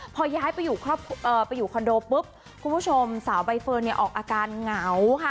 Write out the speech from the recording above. พอย้ายไปอยู่คอนโดปุ๊บคุณผู้ชมสาวใบเฟิร์นเนี่ยออกอาการเหงาค่ะ